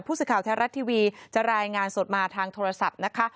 ผู้สื่อข่าวแท้รัฐทีวีจะรายงานสดมาทางโทรศัพท์นะคะ